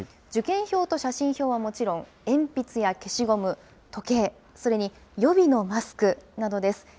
受験票と写真票はもちろん、鉛筆や消しゴム、時計、それに予備のマスクなどです。